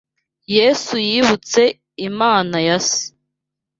Yosefu yibutse Imana ya se.